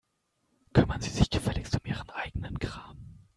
Kümmern Sie sich gefälligst um Ihren eigenen Kram.